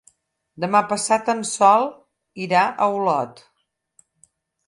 Demà passat en Sol irà a Olot.